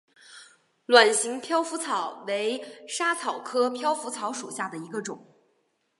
卵形飘拂草为莎草科飘拂草属下的一个种。